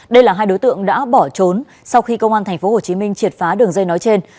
đây là hai đối tượng đã bỏ trốn sau khi công an tp hồ chí minh triệt phá đường dây nói trên